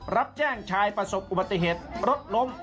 รับแจ้งชายประสบอุบัติเหตุรถล้ม